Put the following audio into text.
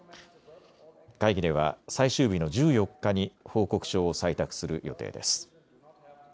会議では最終日の１４日に報告書を採択する予定です。